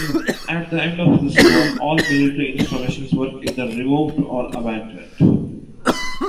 At the end of the war, all military installations were either removed or abandoned.